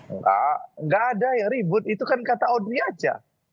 enggak enggak ada yang ribut itu kan kata odri aja